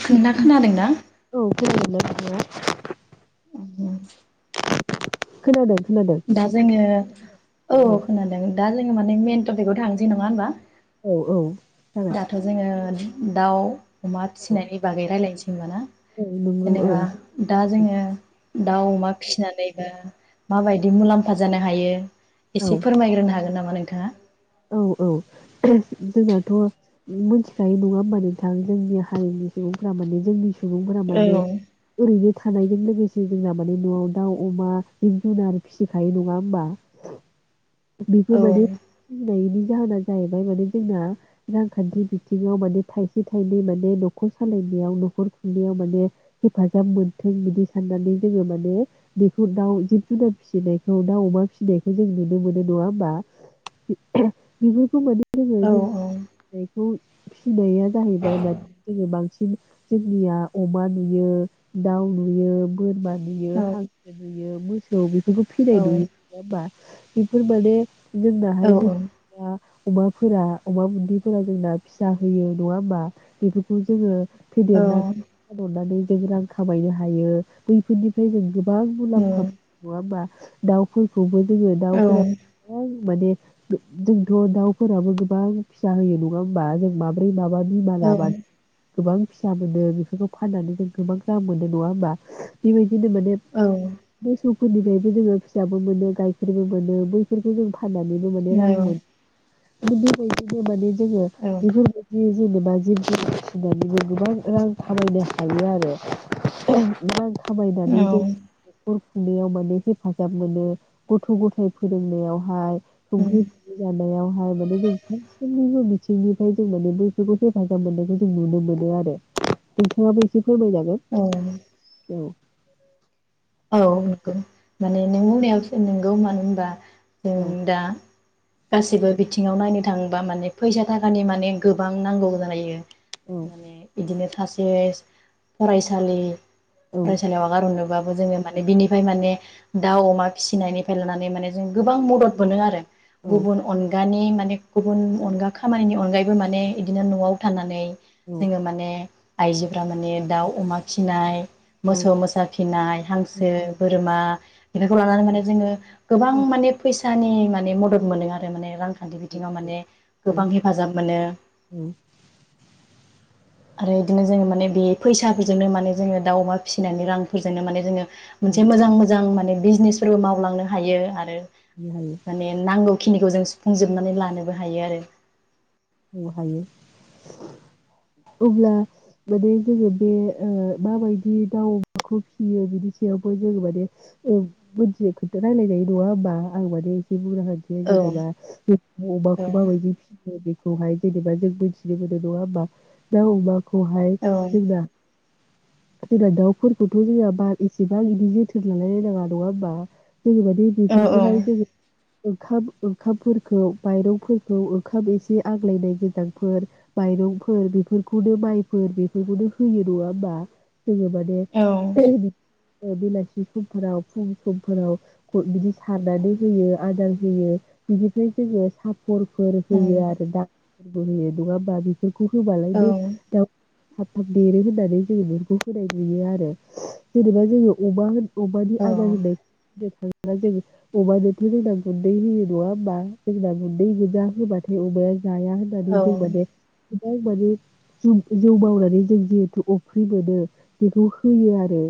नोंना खोनादों ना? औ [unintelligible] उम। खोनादों। खोनादों। दा जोङो औ खोनादों दा जोङो मानेे मेन टपिकआव थांनोसै नङा होनबा। औ औ जागोन दाथ' जोङो दाउ अमा फिनायनि बागै रायलायनोसै होनबा ना औ नंगौ औ जेनेबा दा जोङो दाउ अमा फिनानैबा माबाय दि मुलाम्फा जानो हायो एसे फोरमायग्रोनो हागोन नामा नों थाङा औ औ जोंनाथ' मोन्थिखायो नङा होमबा नोंथां जोंनि हारिनि सुबुंफ्रा माने जोंनि सुबुंफोरा औ माने ओरैनो थानायजों लोगो [unintelligible] जोंना माने न'आव दाउ अमा जिब जुनार फिसिखायो नङा होमबा बिखौ औ माने बिनि जाहोना जाहैबाय माने जोंना रांखान्थि बिथिङाव माने थाइसे थाइनै माने न'खर सालायनायाव न'खर खुंनायाव माने हेफाजाब मोनथों बिदि साननानै जोङो माने बेखौ दाउ जिब जुनार फिसिनायखौ दाउ अमा फिसिनायखौ जों नुनो मोनो नङा होमबा औ [unintelligible] [unintelligible] फिसिनाया जाहैबाय माने जोङो बांसिन जोंनिया अमा नुयो दाउ नुयो बोरमा नुयो औ [unintelligible] यो मोसौ बेखौ औ फिनाय नुयो [inaudible] बेफोर माने औ जोंनाहाय जेनेबा अमाफोरा अमा बुन्दिफोरा जोंना फिसा होयो नङा होमबा बेफोरखौ जोङो औ फेदेननानै [unintelligible] जों रां खामायनो हायो बैफोरनिफ्राय जों गोबां मुलाम्फा नङाओम्बा दाउफोरखौबो जोङो औ दाउफोरा [unintelligible] माने जोंथ' दाउफोराबो गोबां फिसा होयो नङा होमबा जों माब्रै मा [unintelligible] गोबां फिसा मोनो बेफोरखौ फाननानै जों गोबां दाम मोनो नङा होमबा बेबाय बिनो माने [unintelligible] फोरनिफ्रायबो जोङो फिसाबो मोनो गाइखेरबो मोनो बैफोरखौ जों फानानानैनो माने रां मोनो [unintelligible] जोङो बेफोरबायदि जेनेबा जिब [unintelligible] गोबां रां खामायनो हायो आरो थाबायनानै [unintelligible] [unintelligible] खुंनायाव माने हेफाजाब मोनो गथ' गथाय फोरोंनायावहाय औ संख्रि [unintelligible] जानायावहाय माने जों [unintelligible] बिथिंनिफ्राय जों माने बैफोरखौ हेफाजाब मोननायखौ जों नुनो मोनो आरो नैथाङाबो एसे फोरमाय जागोन औ औ ओम। औ नंगौ माने नों बुंनायावसो नोंगौ मानो होनबा। ओ औ दा। गासिबो बिथिङाव नायनो थाङोबा माने फैसा थाखानि माने गोबां नांगौ जालायो। औ माने इदिनो। सासे फरायसालि। औ फरायसालियाव आगार हरनो बा बो जोङो माने बिनिफ्राय माने दाउ अमा फिसिनायनिफ्राय लानानै माने जों गोबां मदद मोनो आरो। औ गुबुन अनगानि। माने गुबुन अनगा खामानिनि अनगायैबो माने इदिनो न'आव थनानै। औ जोङो माने। आयजोफ्रा माने दाउ अमा फिनाय। मोसौ मोसा फिनाय। हांसो बोरमा। बेफोरखौ लानानै माने जोङो। गोबां माने फैसा। सानि माने मदद मोनो आरो। माने रांखान्थि बिथिङाव माने गोबां हेफाजाब मोनो। आरो बिदिनो जोङो माने बे फैसाफोरजोंनो माने जोङो दाउ अमा फिसिनायनि रांफोरजोंनो माने जोङो। औ औ मोनसे मोजां मोजां माने। बिजनेसफोरबो मावलांनो हायो आरो। हायो माने नांगौखि निखौ जों सुफुंजोबनानै लानोबो हायो आरो। ओ हायो। अब्ला माने जोङो बे ओ माबायदि दाउखौ फिसियो बिनि सायावबो जोङो माने मोनथिनो खोथा रायलायनाय नङा होमबा आं माने [unintelligible] औ जेनेबा औ अमाखौ माबायदि फियो बे खौहाय जेनेबा जों मिथिनो नङा होमबा दा अमा खौहाय औ जोंना जोंना दाउफोरखौथ' जोंहा बा एसेबां बिदि जोथोन लालायलायनाङा नङा होमबा। जेरैबायदि औ औ बेफोरखौहाय जोङो ओंखाम ओंखामफोरखौ माइरंफोरखौ ओंखाम एसे जि आग्लायनाय गोजांफोर माइरंफोर बेफोरखौनो माइफोर बेफोरखौनो होयो नङा होमबा औ [inaudible] ओ बेलासि समफोराव फुं समफोराव बिदि सारनानै होयो आदार होयो बिनिफ्राय जोङो सा हरफोर होयो आरो। [unintelligible] बेखौ होबालाय औ दे दाउ थाब थाब देरो होननानै जोङो बेफोरखौ होनाय जायो आरो जेनेबा जोङो अमा अमानि औ आदार होनायखौ [unintelligible] अमाजोंथ जोंना गुन्दै होयो नङा होमबा जोंना गुन्दै गोजा होबाथाय अमाया जाया होननानै जों औ माने गोबां माने जे जौ मावनानै जों जिहेथु अफ्रि मोनो बेखौ होयो आरो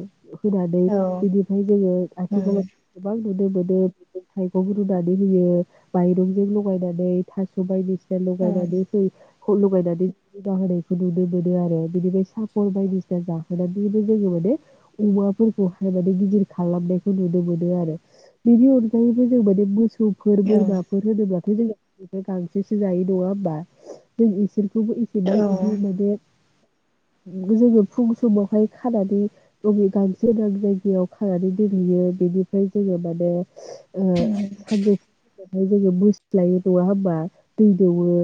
होनानै औ बिनिफ्राय जोङो आथिखालाव गोबां नुनो मोनो थाइगं रुनानै होयो माइरंजों लगायनानै थास बायदि लगायनानै होयो खौ लगायनानै हुदा होनायखौ नुनो मोनो आरो बेनिफ्राय सापर बायदिसिना जाहोनानैबो जोङो माने अमाफोरखौहाय माने गिदिर खालामनायखौ नुनो मोनो आरो बेनि अनगायैबो जों माने मोसौ फोर बोरमाफोर‌ होनोबा [unintelligible] गांसे जायो दङ होमबा जों एसे [unintelligible] इसेबां बिदि माने जोङो फुं समावहाय खानानै बबे गांसो दं जायगायाव खानानै दोनहैयो बेनिफ्राय जोङो माने ओ‌ सानजौ ओमफ्रायो बोस्लायो नङा होमबा दै दौयो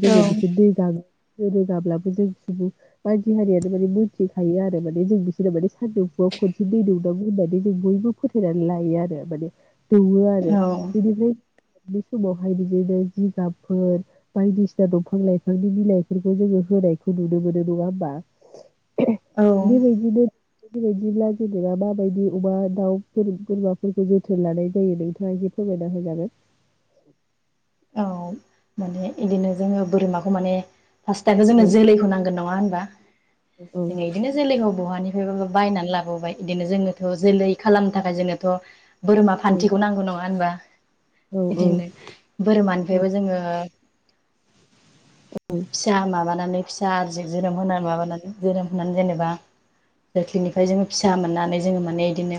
जोङो बिसोर दै गां मोनङाब्लाबो जों सुबुं मानसि हारियानो माने मोनथिखायो आरो माने जों बिसोरना माने सानदौफुआव खनसे दै दौनांगौ होननानै जों बयबो फोथायनानै लायो आरो माने दौवो आरो बिनिफ्राय बै समावहाय बिदिनो जिगाब फोर बायदिसिना दंफां लाइफांनि बिलाइफोरखौ जोङो होनायखौ नुनो मोनो नङा होमबा? औ बेबायदिनो बेबायदिब्ला जेनेबा माबायदि अमा दाउ बोरमाफोरखौ जोथोन लानाय जायो नोंथाङा एसे फोरमायना होजागोन। औ माने इदिनो जोङो बोरमाखौ माने फार्स्टआबो जोंनो औ औ जोलैखौ नांगोन नङा होनबा? जोङो औ बिदिनो जोलैखौ बहानि [unintelligible] बायनानै लाबोबाय बिदिनो जोङोथ' जोलै खालामनो थाखाय जोङोथ' बोरमा औ फान्थिखौ नांगौ नङा होनबा? औ इदिनो औ बोरमानिफ्रायबो जोङो [unintelligible] फिसा माबानानै फिसा आरजि जोनोम होनानै माबानानै जोनोम होनानै जेनेबा जोख्लिनिफ्राय जोङो फिसा मोननानै जोङो माने इदिनो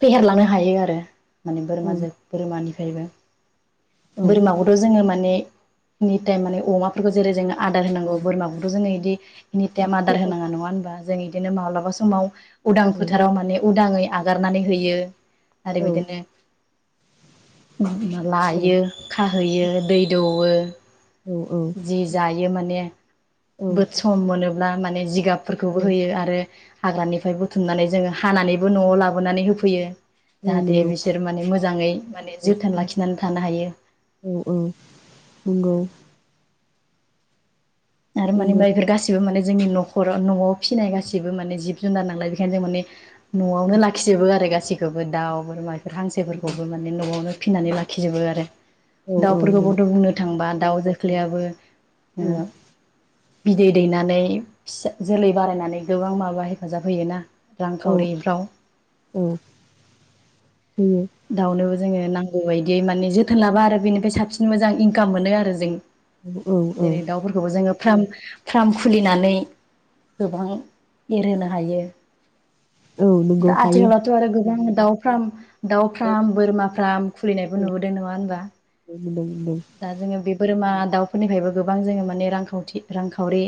फेहेरलांनो हायो आरो। माने बोरमाजों औ बोरमानि फ्रायबो। औ बोरमाखौथ' जोङो माने नि टाइम माने अमाफोरखौ जेरै जोङो आदार होनांगौ बोरमाखौथ' जोङो इदि इनि टाइम आदार फोरमाय औ होनाङा नङा होनबा? जों इदिनो माब्लाबा समाव उदां फोथाराव माने उदांङै आगारनानै होयो। आरो औ बिदिनो [unintelligible] लाययो खाहैयो दै दौवो। औ जि जायो माने औ बोद सम मोनोब्ला माने जिगाबफोरखौबो होयो आरो हाग्रानिफ्राय बुथुमनानै जोङो हानानैबो न'आव लाबोनानै होफैयो। औ जाहाथे नंगौ बिसोर माने मो मोजाङै माने जोथोन लाखिनानै थानो हायो। औ औ नंगौ आरो माने नंगौ बैफोर गासिबो माने जोंनि न'खराव न'आव फिनाय गाससिबो माने जिब जुनार नांलाय बेखायनो जों माने न'आवनो लाखिजोबो आरो गासै थबो दाउ बोरमान हांसोफोरखौबो माने न'आवनो फिनानै लाखिजोबो आरो औ औ दाउफोरखौ नंगौ बथ' बुंनो थांबा दाउ जोख्लियाबो औ बिदै दैनानै फिसा जोलै बारायनानै गोबां माबा हेफाजाब होयोना औ रांखावरिफ्राव होयो दाउनो जोङो नांगौ बायदियै माने जोथोन लाबा आरो बेनिफ्राय साबसिन मोजां इनकाम मोनो आरो जों औ औ जेरै दाउफोरखौबो जोङो फ्राम फ्रार् खुलिनानै गोबां एरहोनो हायो औ नंगौ दा हायो आथिखालावथ' आरो गबां दाउफ्राम। दाउ औ फार्म बोरमा फार्म खुलिनायबो औ नुबोदों नङा होनबा मोनदों मोनदों दा जोङो बे बोरमा दाउफोरनिफ्रायबो गोबां जोङो माने रांखावथि रांखावरि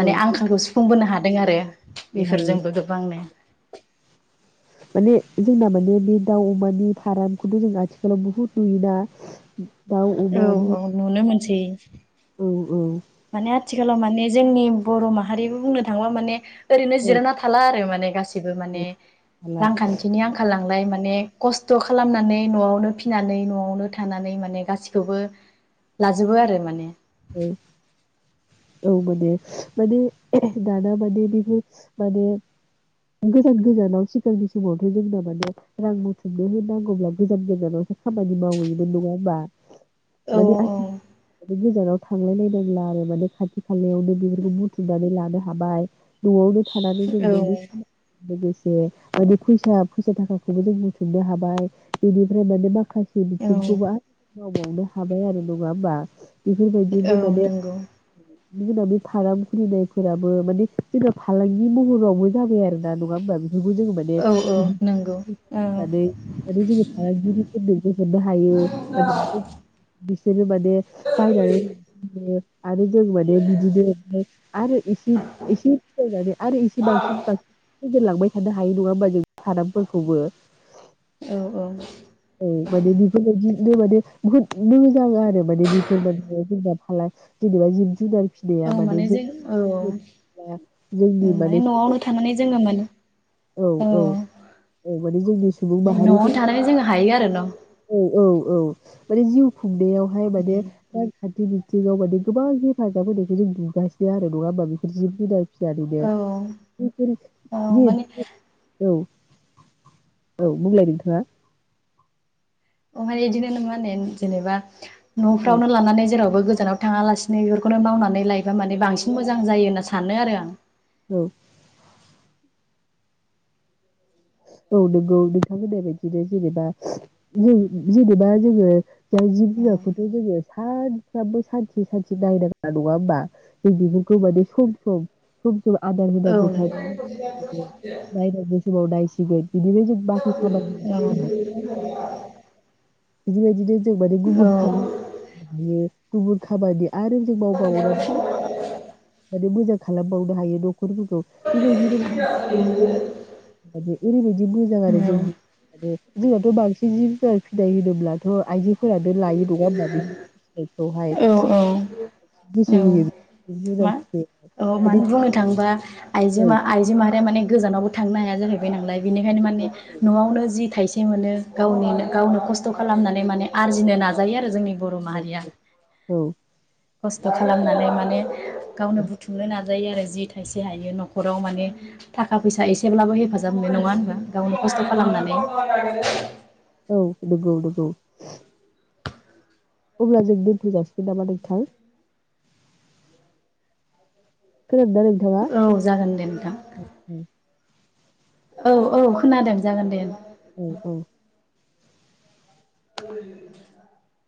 माने आंखालखौ सुफुंबोनो हा दों आरो बे हायो बेफोरजोंबो गोबांनो माने जोंना माने बे दाउ अमानि फारामखौथ' जों आथिखालाव बुहुत नुखोना औ - औ नुनो मोन जि औ - औ। माने आथिखालाव माने जोंनि बर' माहारियाबो बुंनो थांङोबा माने ओरैनो औ जिरायना थाला आरो माने बेफोर माने हाला रां खान्थिनि आंखाल नालाय माने खस्थ' खालामनानै न'आवनो फिनानै न'आवनो थानानै माने गासिखौबो लाजोबो आरो माने। औ औ माने - माने दाना माने बेफोर माने गोजान गोजानाव सिगांनि समावथ' जोंना माने रां बुथुमनो होनांगौब्ला गोजान गोजानावसो खामानि मावहैयोमोन नङा होमबा? औ माने आथि [unintelligible] सेराव थांलायलनायनांला आरो माने खाथि खायावनो बेफोरखौ बुथुमनानै लानो हाबाय न'आवनो थानानै जों औ न'नि लोगोसे जे माने फैसा - फैसा थाखाखौबो जों बुथुमनो हाबाय बेनिफ्राय माने माखासे औ बिथिंखौबो मावबावनो हाबाय आरो। नङा होमबा? औ बेफोरबायदिनो माने नंगौ जोंना बे फाराम खुलिनायफोराबो माने जोंना फालांगि महरावबो जाबाय आरो ना। नङा होमबा बि? बेखौ जोङो माने औ औ बिदि नंगौ औ माने जोङो फालांगिफोरनोबो मोननो हायो। माने [unintelligible] बिसोरो माने बायनानै आरो जों माने बिदिनो आरो एसे एसे फायनानै आरो एसे बांन बांसिनजेनलांबाय थानो हायो नङा होमबा जों सारामफोरखौबो औ औ औ माने बेफोरबायदिनो माने बुहुद मोजां आरो माने बे बा जबा फालाय जेनेबा जिब जुनार औ फिसिनाया माने ज जों औ औ जोंनि माने सम न'आवनो थानानै जोङो माने औ औ औ माने जोंनि सुबुं माहारि न'आवनो थानानै जोङो हायो आरो न' औ औ औ। माने जिउ गुन्दैयावहाय माने बे बिथिङाव माने गोबां हेफाजाब होनायखौ जों नुगासिनो आरो नङा होमबा बेफोर जिब जुनार औ औ माने [unintelligible] औ बुंलाय नोंथाङा। इदिनो [unintelligible] होने जेनेबा औ न'फ्रावनो लानानै जेराव बो गोजानाव थाङा लासिनो बेफोरखौनो मावनानै लायबा माने बांसिन मोजां जायो होनना सानो आरो आं। औ औ नोंगौ नोंथांमोननाय बायदिनो जेनेबा जों जेनेबा जोङो दा जिब जुनारखौथ' जोङो सानफ्रामबो सान्थि सान्थि नायनांगो नङा होमबा जों बेफोरखौ माने सम सम सम आदार औ होनांगौ तायेम नंगौ बिदिनो नायनांगौ समाव नाय [unintelligible] बिदिनो जेनबा जि खामानिखो मावबाय औ बिदिबायदिनो जों बायदि औ गुबुन खा [unintelligible] हायो गुबुन खामानिया आरो जों मावबावनानै माने मोजां खालामबावनो हायो दं नखरफोरखौ बेबायदिनो ओरैबायदि मोजां आरो जों [inaudible] जोंथ' बांसिन केजि [inaudible] फिथाइ होनोब्ला थ' आइजोफोरानो लायो नङा होमबा बे फिसिनायखौहाय औ औ औ गोसो औ होयो जुुनार मा औ फिसि मानो बुंनो थाङोबा [inaudible] आइजो औ मा आइजो माहारिया माने गोजानावबो थांनो हाया जाहै बायनालाय बिनिखायनो माने न'आवनो जि थाइसे मोनो गावनि गावनो खस्थ' खालामनानै माने आरजिनो नाजायो आरो जोंनि बर' माहारिया। औ खस्थ' खालामनानै माने गावनो बुथुमनो ना जायो आरो जि थाइसे हायो न'खराव माने थाखा फैसा एसेब्लाबो हेफाजाब मोननाय नङा होनबा गावनो खस्थ' खालामनानै औ नंगौ [unintelligible] अब्ला जों दोनथ' जासिगोन नामा नोंथां? खोनादोना नोंथांङा? औ जागोन दे नोंथां औ -औ खोनादों जागोन दे। औ औ [unintelligible]